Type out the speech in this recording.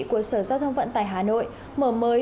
của sở giao thông vận tải hà nội mở mới